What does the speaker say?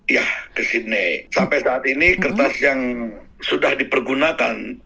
ya ke sydney sampai saat ini kertas yang sudah dipergunakan